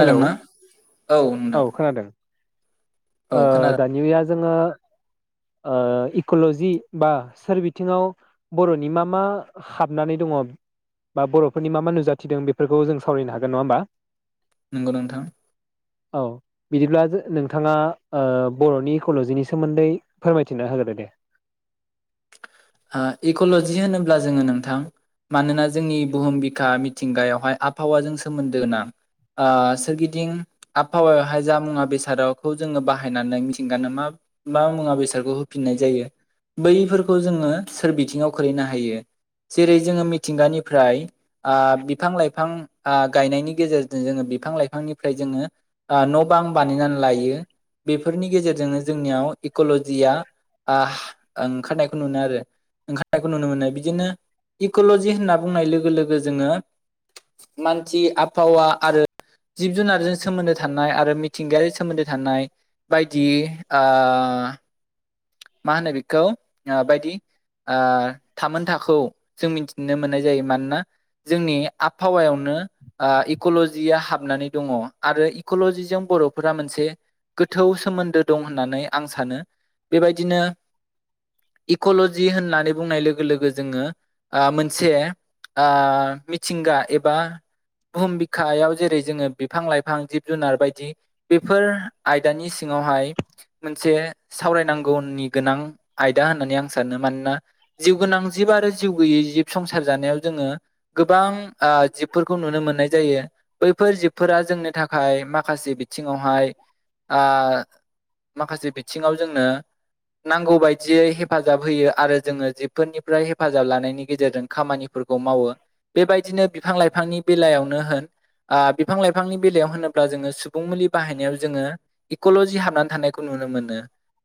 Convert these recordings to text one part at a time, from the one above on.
Hello औ नोंथां, ओ औ खोनादों दानि इवा जोङो ओ इक'ल'जि बा सोर बिथिङाव बर'नि मा मा हाबनानै दङ बा बर'फोरनि मा मा नुजाथिदों बेफोरखौ जों सावरायनो हागोन जागोन नङा होमबा नंगौ नोंथां औ बिदिब्ला जो नोंथाङा ओ बर'नि इक'ल'जिनि सोमोन्दै फोरमायथिना होग्रो दे, ओ इक'ल'जि होनोब्ला जोङो नोंथां मानोना जोंनि बुहुम बिखा मिथिंगायावहाय आबहावाजों सोमोन्दो गोनां आ सोरगिदिं आबहावायावहाय जा मुवा बेसादखौ जोङो बाहायनानै मिथिंगानो मा मा मुवा बेसादखौ होफिननाय जायो बैफोरखौ जोङो, सोर बिथिङाव खोलैनो हायो जेरै जोङो मिथिंगानिफ्राय ओ बिफां लाइफां गायनायनि गेजेरजों जोङो बिफां लाइफांनिफ्राय जोङो ओ न' बां बानायनानै लायो बेफोरनि गेजेरजोंनो जोंनियाव इक'ल'जिया ओ हा ओंखारनायखो नुनो आरो ओंखारनायखौ नुनो मोनो बिदिनो इक'ल'जि होनना बुंनाय लोगो लोगो जोङो मानसि आबहावा आरो जिब जुनारजों सोमोन्दो थानाय आरो मिथिंगायारि सोमोन्दो थानाय बायदि दि ओ मा होनो बेखौ बायदि थामोनथाोखौ जों मिथिनो मोननाय जायो मानोना जोंनि आबहावायावनो इकलजिया हाबनानै दङ आरो इकलजिजों बरफोरा मोनसे गोथौ सोमोन्दो दं होननानै आं सानो बेबायदिनो इकलजि होननानै बुंनाय लोगो लोगो जोंङो मोनसे मिथिंगा एबा बुहुम बिखायाव जेरै जोंङो बिफां लाइफां जिब जुनार बायदि बेफोर आयदानि सिङावहाय मोनसे सावरायनांगौनि गोनां आयदा होननानै आं सानो मानोना जिउ गोनां जिब आरो जिउ गैयै जिब संसार जानायाव जोंङो गोबां जिबफोरखौ नुनो मोननाय जायो बैफोर जिबफोरा जोंनि थाखाय माखासे बिथिङावहाय माखासे बिथिङाव जोंनो नांगौ बायदियै हेफाजाब होयो आरो जोंङो जिबफोरनिफ्राय हेफाजाब लानायनि गेजेरजों खामानिफोरखौ मावो बेबायदिनो बिफां लाइफांनि बेलायावनो होन बिफां लाइफांनि बेलायाव होनोब्ला जोंङो सुबुं मुलि बाहायनायाव जोङो इकलजि हाब थांनानै थानायखौ नुनो मोनो।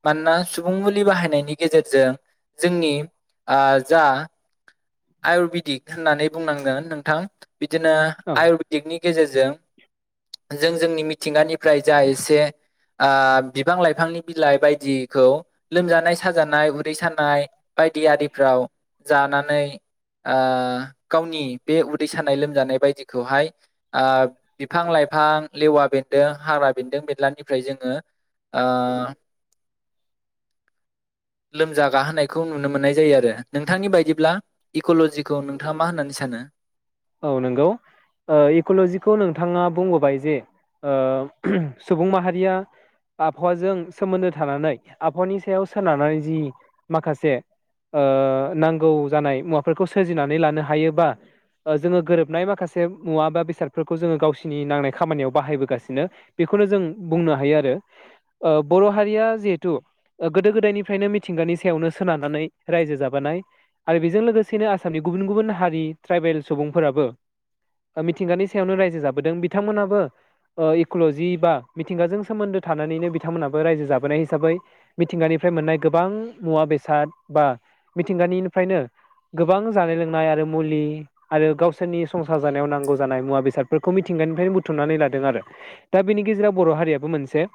मानोना सुबुं मुलि बाहायनायनि गेजेरजों जोंनि जा आयुरवेदिक होननानै बुंनांगोन नोंथां। बिदिनो औ आयुरवेदिकनि गेजेरजों जों जोंनि मिथिंगानि। प्राय जा एसे। ओ बिफां लाइफांनि बिलाइ बायदि बायदिखौ लोमजानाय साजानाय उदै सानाय बायदि आरिफ्राव जानानै गावनि बे उदै सानाय लोमजानाय बायदिखौहाय बिफां लाइफां लेवा बेन्दों हाग्रा बेन्दों बेनलानिफ्राय जोङो लोमजा गाहोनायखौ नुनो मोननाय जायो आरो। नोंथांनि बायदिब्ला इकलजिखौ नोंथाङा मा होननानै सानो? औ नंगौ ओ इक'ल'जिखौ नोंथाङा बुंबोबाय जे सुबुं माहारिया आबहावाजों सोमोन्दो थानानै आबहावानि सायाव सोनारनानै जि माखासे नांगौ जानाय मुवाफोरखौ सोरजिनानै लानो हायोबा जोङो गोरोबनाय माखासे मुवा बा बेसादफोरखौ जोङो गावसिनि नांनाय खामानियाव बाहायबोगासिनो बेखौनो जों बुंनो हायो आरो बर' हारिया जिहेथु गोदो गोदायनिफ्रायनो मिथिंगानि सायावनो सोनारनानै रायजो जाबोनाय आरो बेजों लोगोसेनो आसामनि गुबुन गुबुन हारि ट्राइबेल सुबुंफोराबो मिथिंगानि सायावनो रायजो जाबोदों बिथांमोनाबो इक'ल'जि बा मिथिंगाजों सोमोन्दो थानानैनो बिथांमोनहाबो रायजो जाबोनाय हिसाबै मिथिंगानिफ्राय मोननाय गोबां मुवा बेसाद बा मिथिंगानिनिफ्रायनो गोबां जानाय लोंनाय आरो मुलि आरो गावसोरनि संसार जानायाव नांगौ जानाय मुवा बेसादफोरखौ मिथिंगानिफ्रायनो बुथुमनानै लादों आरो दा बेनि गेजेराव बर' हारियाबो मोनसे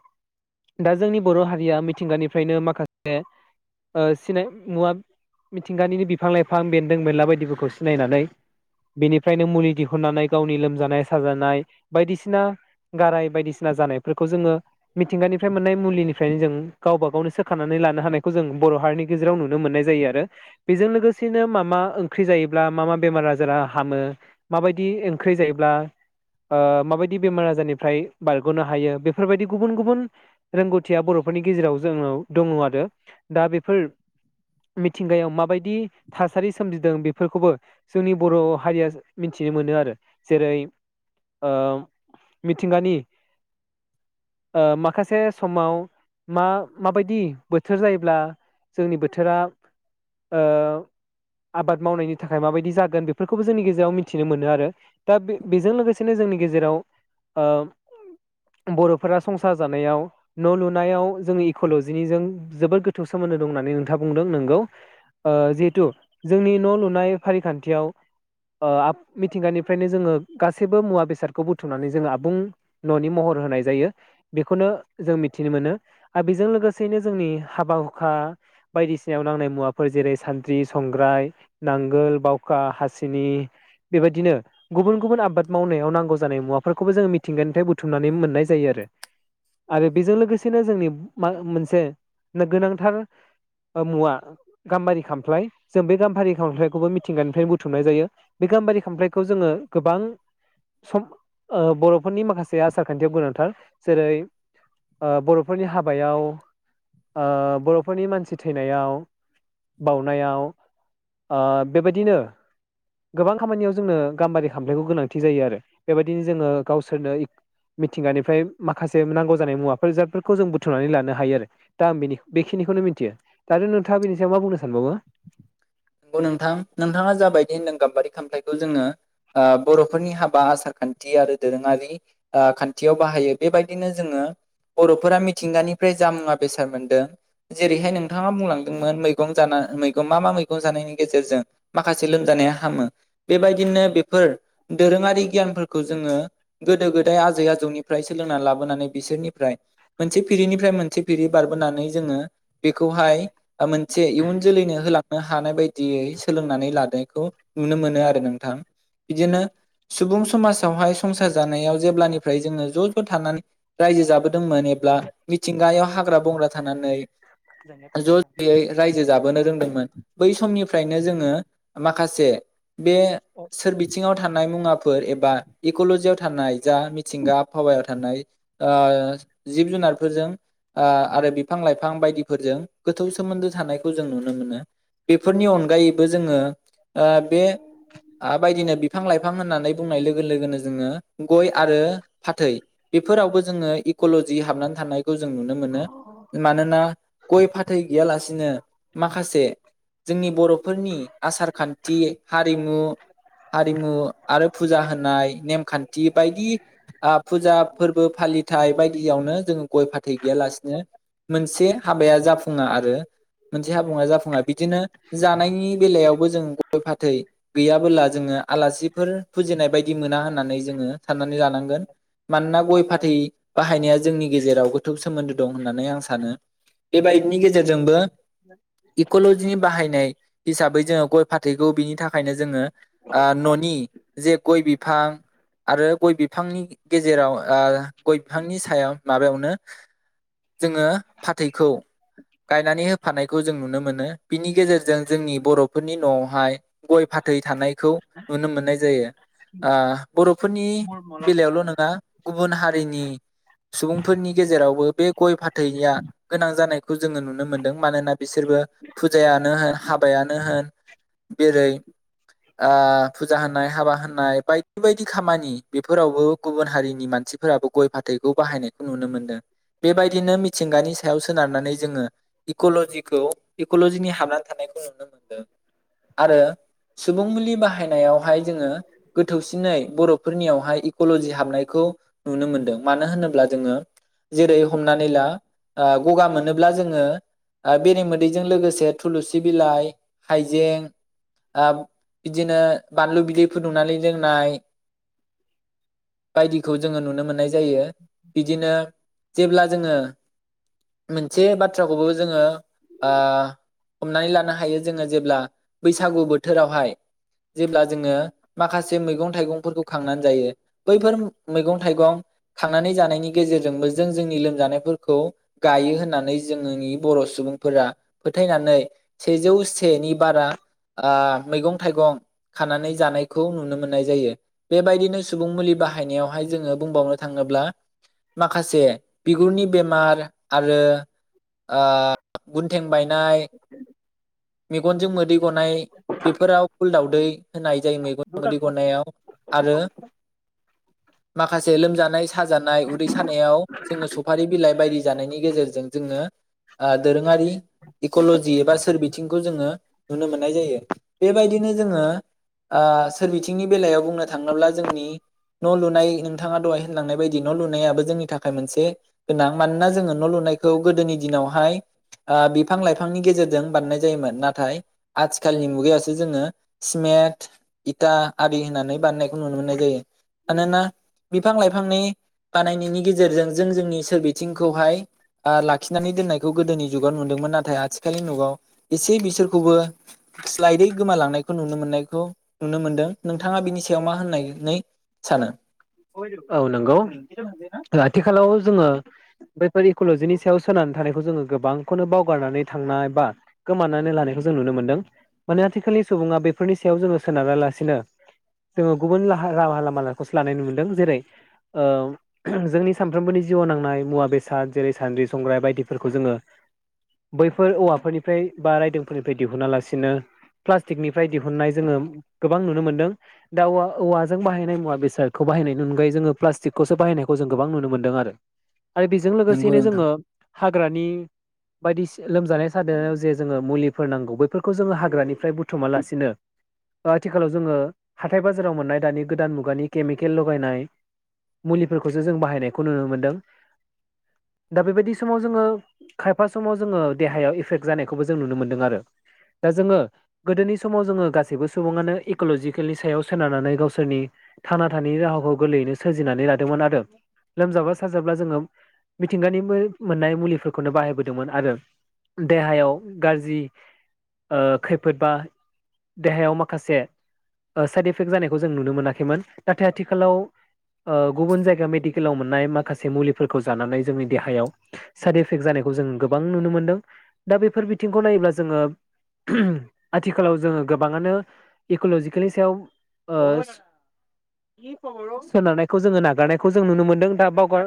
दा जोंनि बर' हारिया मिथिंगानिफ्रायनो माखासे सिनाय मुवा मिथिंगानिनो बिफां लाइफां बेन्दों बेनला बायदिफोरखौ सिनायनानै बेनिफ्रायनो मुलि दिहुननानै गावनि लोमजानाय साजानाय बायदिसिना गाराय बायदिसिना जानायफोरखौ जोङो मिथिंगानिफ्राय मोननाय मुलिनिफ्रायनो जों गावबा गावनो सोखानानै लानो हानायखौ जों बर' हारिनि गेजेराव नुनो मोननाय जायो आरो बेजों लोगोसेनो मा मा ओंख्रि जायोब्ला मा मा बेमार आजारा हामो माबायदि ओंख्रि जायोब्ला माबायदि बेमार आजारनिफ्राय बारग'नो हायो बेफोरबायदि गुबुन गुबुन रोंगौथिया बर'फोरनि गेजेराव जोंनाव दङ आरो दा बेफोर मिथिंगायाव माबायदि थासारि सोमजिदों बेफोरखौबो जोंनि बर' हारिया मिथिनो मोनो आरो जेरै मिथिंगानि माखासे समाव मा माबायदि बोथोर जायोब्ला जोंनि बोथोरा आबाद मावनायनि थाखाय माबायदि जागोन बेफोरखौबो जोंनि गेजेराव मिथिनो मोनो आरो दा बे बेजों लोगोसेनो जोंनि गेजेराव बर'फोरा संसार जानायाव न' लुनायाव जोङो इक'लजिनिजों जोबोद गोथौ सोमोन्दो दं होननानै नोंथा बुंदों नोंगौ जिहेथु जोंनि न' लुनाय फारि खान्थियाव मिथिंगानिफ्रायनो जोङो गासैबो मुवा बेसादखौ बुथुमनानै जोङो आबुं न'नि महर होनाय जायो बेखौनो जों मिथिनो मोनो आरो बेजों लोगोसेयैनो जोंनि हाबा हुखा बायदिसिनायाव नांनाय मुवाफोर जेरै सानद्रि, संग्राय, नांगोल, बावखा, हासिनि बेबायदिनो गुबुन गुबुन आबाद मावनायाव नांगौ जानाय मुवाफोरखौबो जोङो मिथिंगानिफ्राय बुथुमनानै मोननाय जायो आरो आरो बेजों लोगोसेनो जोंनि मोनसे गोनांथार मुवा गाम्बारि खामफ्लाय जों बे गाम्बारि खामफ्लायखौबो मिथिंगानिफ्रायनो बुथुमनाय जायो बे गाम्बारि खामफ्लायखौ जोङो गोबां सम बर'फोरनि माखासे आसार खान्थियाव गोनांथार जेरै बर'फोरनि हाबायाव बर' नि मानसि थैनायाव बावनायाव बेबायदिनो गोबां खामानियाव जोंनो गाम्बारि खामफ्लायखौ गोनांथि जायो आरो बेबायदिनो जोङो गावसोरनो मिथिंगानिफ्राय माखासे नांगौ जानाय मुवाफोर जादफोरखौ जों बुथुमनानै लानो हायो आरो दा बेखिनिखौनो मिथियो दा नोंथाङा बिनि सायाव मा बुंनो सानबावो। नंगौ नोंथां नोंथाङा जाबायदि होनदों गाम्बारि खौ जोङो बर'फोरनि हाबा आसार खान्थि आरो दोरोङारि खान्थियाव बाहायो बेबायदिनो जोङो बर'फोरा मिथिंगानिफ्राय जा मुवा बेसाद मोनदों जेरैहाय नोंथाङा बुंलांदों मैगं जानाय मा मा जानायनि गेजेरजों माखासे लोमजानाया हामो बेबायदिनो बेफोर दोरोङारि गियानफोरखौ जोङो गोदो गोदाय आजै आजौनिफ्राय सोलोंना लाबोनानै बिसोरनिफ्राय मोनसे फिरिनिफ्राय मोनसे फिरि बारबोनानै जोङो बेखौहाय मोनसे इयुन जोलैनो होलां हानाय बायदियै सोलोंनानै लानायखौ नुनो मोनो आरो नोंथां बिदिनो सुबुं समाजावहाय संसार जानायाव जेब्लानिफ्राय जोङो ज' ज' थानानै रायजो जाबोदोंमोन एब्ला मिथिंगायाव हाग्रा बंग्रा दाननानै सानबावो ज' ज'यै रायजो जाबोनो रोदोंमोन। बै समनिफ्रायनो जोङो माखासे बे सोरबिथिङाव थानाय मुवाफोर एबा इक'लजियाव थानाय जा मिथिंगा आबहावायाव थानाय जिब जुनारफोरजों आरो बिफां लाइफां बायदिफोरजों गोथौ सोमोन्दो थानायखौ जों नुनो मोनो। बेफोरनि अनगायैबो जोङो बे बायदिनो बिफां लाइफां होननानै बुंनाय लोगो लोगोनो जोङो गय आरो फाथै बेफोरावबो जोङो इक'लजि हाबनानै थानाय। जों नुनो मोनो मानोना गय फाथै गैयालासिनो माखासे जोंनि बर'फोरनि आसार खान्थि हारिमु हारिमु आरो फुजा होनाय नेमखान्थि बायदि फुजा फोरबो फालिथाय बायदियावनो जोङो गय फाथै गैयालासिनो मोनसे हाबाया जाफुङा आरो मोनसे हाबाङा जाफुङा बिदिनो जानायनि बेलायावबो जों गय फाथै गैयाबोला जोङो आलासिफोर फुजिनाय बायदि मोना होननानै जोङो साननानै लानांगोन। मानोना गय फाथै बाहायनाया जोंनि गेजेराव गोथौ सोमोन्दो दं होननानै आं सानो बेबायदिनि गेजेरजोंबो इक'ल'जिनि बाहायनाय हिसाबै जोङो गय फाथैखौ बिनि थाखायनो जोङो न'नि जे गय बिफां आरो गय बिफांनि गेजेराव गय बिफांनि सायाव माबायावनो जोङो फाथैखौ गायनानै होफानायखौ जों नुनो मोनो। बिनि गेजेरजों जोंनि बर'फोरनि न'आवहाय गय फाथै थानायखौ नुनो मोननाय जायो बर' फोरनि बेलायावल' नङा। गुबुन हारिनि सुबुंफोरनि गेजेरावबो बे गय फाथैया गोनां जानायखौ जोङो नुनो मोनदों मानोना बिसोरबो फुजायानो होन हाबायानो होन जेरै फुजा होनाय हाबा होनाय बायदि बायदि खामानि बेफोरावबो गुबुन हारिनि मानसिफोराबो गय फाथैखौ बाहायनायखौ नुनो मोनदों बेबायदिनो मिथिंगानि सायाव सोनारनानै जोङो इक'ल'जिखौ इक'ल'जिनि हाबनानै थानायखौ नुनो मोनदों आरो सुबुं मुलि बाहायनायावहाय जोङो गोथौसिनै बर'फोरनियावहाय इक'ल'जि हाबनायखौ नुनो मोनदों मानो होनोब्ला जोङो जेरै हमनानै ला गगा मोनोब्ला जोङो बेरे बिजों लोगोसे थुलुसि बिलाइ हाइजें बिदिनो बानलु बिदै फुदुंनानै लोंनाय बायदिखौ जोङो नुनो मोननाय जायो बिदिनो जेब्ला जोङो मोनसे बाथ्राखौबो जोङो । हमनानै लानो हायो जोङो जेब्ला बैसागु बोथोरावहाय जेब्ला जोङो माखासे मैगं थाइगंफोरखौ खांनानै जायो बैफोर मैगं थाइगं खांनानै जानायनि गेजेरजोंबो जों जोंनि लोमजानायफोरखौ गायो होननानै जोंनि बर' सुबुं फोरा फोथायनानै सेजौ सेनि बारा मैगं थाइगं खानानै जानायखौ नुनो मोननाय जायो बेबायदिनो सुबुं मुलि बाहायनायावहाय जोङो बुंबावनो थाङोब्ला माखासे बिगुरनि बेमार आरो गुन थें बायनाय गनजों मोदै गनाय बेफोराव फुल दावै होननाय जायो मेगन मोदै गनायाव आरो माखासे लोमजानाय साजानाय उदै सानायाव जों सफारि बिलाइ बायदि जानायनि गेजेरजों जोङो दोरोङारि इक'ल'जि एबा सोरबि बिथिंखौ जोङो नुनो मोननाय जायो बेबायदिनो जोङो सोरबिथिंनि बेलायाव बुंनो थाङोब्ला जोंनि न' लुनाय नोंथाङा दहाय होनलांनाय बायदि न' लुनायाबो जोंनि थाखाय मोनसे गोनां मानोना जोङो न' लुनायखौ गोदोनि दिनाव बिफां लाइफांनि गेजेरजों बानायनाय जायोमोन नाथाय आथिखालनि मुगायावसो जोङो सिमेन्ट, इटा आरि होननानै बानायनायखौ नुनो मोननाय जायो मानोना बिफां लाइफांनि बानायनायनि गेजेरजों जों जोंनि सोरबिथिंखौहाय लाखिनानै दोननाय बेखौ गोदोनि जुगाव नुदोंमोन नाथाय आथिखालनि नुगाव एसे बिसोरखौबो स्लाइदै गोमालांनायखौ नुनो मोननायखौ नुनो मोनदों नोंथाङा बिनि सायाव मा होननानै सानो? औ नंगौ आथिखालाव जोङो बैफोर इक'ल'जिनि सायाव सोनानै थानायखौ जोङो गोबांखौनो बावगारनानै थांनाय बा गोमानानै लानायखौ जों नुनो मोनदों माने आथिखालनि सुबुङा बेफोरनि सायाव जोङो सोनारालासिनो जोङो गुबुन राहा लामालाखौसो लानाय नु मोनदों। जेरै जोंनि सानफ्रोमबोनि जिउ नांनाय मुवा बेसाद जेरै सान्द्रि संग्राय बायदिफोरखौ जोङो बैफोर औवाफोरनिफ्राय बा रायदोंफोरनिफ्राय दिहुना लासिनो प्लास्टिकनिफ्राय दिहुननाय जोङो गोबां नुनो मोनदों दा औवाजों बाहायनाय मुवा बेसाद बाहायनायनि अनगायै जोङो प्लास्टिकखौसो बाहायनायखौ जों गोबां नुनो मोन्दों आरो। आरो बेजों नंगौ लोगोसेनो नोंथां जोङो हाग्रानि बायदिसि लोमजानाय साजानायाव जे जोङो मुलिफोर नांगौ बेैफोरखौ जोङो हाग्रानिफ्राय बुथुमालासिनो आथिखालाव जोङो हाथाय बाजाराव मोननाय दानि गोदान मुगानि केमिकेल लगायनाय मुलिफोरखौसो जों बाहायनायखौ नुनो मोन्दों दा बेबायदि समाव जोङो खायफा समाव जोङो देहायाव एफेक्ट जानायखौबो जों नुनो मोनदों आरो दा जोङो गोदोनि समाव जोङो गासैबो सुबुङानो इक'लजिकेलनि सायाव सोनारनानै गावसोरनि थांना थानायनि राहाखौ गोरलैयैनो सोरजिनानै लादोंमोन आरो लोमजाब्ला साजाब्ला जोङो मिथिंगानि मोननाय मुलिफोरखौनो बाहायबोदोंमोन आरो देहायाव गाज्रि खैफोद बा देहायाव माखासे साइड इफेक्ट जानायखौ जों नुनो मोनाखैमोन। नाथाय आथिखालाव गुबुन जायगायाव मेडिकेलाव मोननाय माखासे मुलिफोरखौ जानानै जोंनि देहायाव साइड एफेक्ट जानायखौ जों गोबां नुनो मोनदों दा बेफोर बिथिंखौ नायोब्ला जोङो आथिखालाव जोङो गोबाङानो इक'लजिकेनि सायाव सोनारनायखौ जोङो नागारनायखौ जों नुनो मोनदों दा बावगार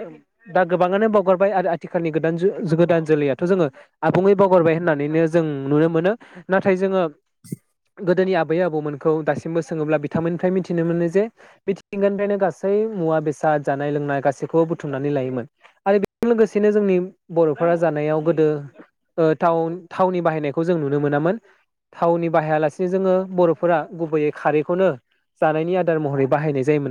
दा गोबाङानो बावगारबाय आरो आथिखालनि गोदान गोदान जोलैयाथ' जोङो आबुङै बावगारबाय होननानैनो जों नुनो मोनो नाथाय जोङो [inaudible] गोदोनि आबै आबौमोनखौ दासिमबो सोङोब्ला बिथांमोननिफ्राय मिथिनो मोनो जे मिथिंगानिफ्रायनो गासै मुवा बेसाद जानाय लोंनाय गासैखौबो बुथुमनानै लायोमोन आरो बेजों लोगोसेनो जोंनि बर'फोरा जानायाव गोदो थाव थावनि बाहायनायखौ जों नुनो मोनामोन थावनि बाहायालासेनो जोङो बर'फोरा गुबैयै खारैखौनो जानायनि आदार महरै बाहायनाय जायोमोन।